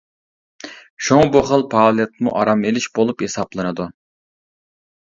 شۇڭا بۇ خىل پائالىيەتمۇ ئارام ئېلىش بولۇپ ھېسابلىنىدۇ.